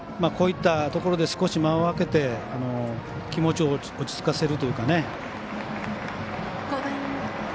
こういったところで少し間をあけて気持ちを落ち着かせるというかね。